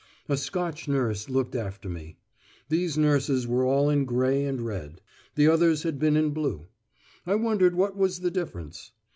A Scotch nurse looked after me. These nurses were all in grey and red; the others had been in blue. I wondered what was the difference.